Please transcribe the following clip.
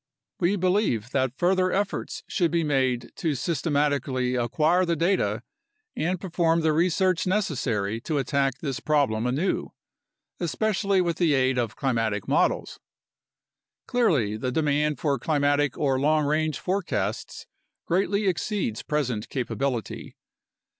We believe that further efforts should be made to systematically acquire the data and perform the research necessary to attack this problem anew, especially with the aid of climatic models. Clearly the demand for climatic or long range forecasts greatly exceeds present capability.